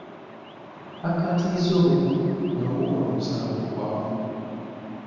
Akaatiriza obumu n'okukola okusalawo okwawamu.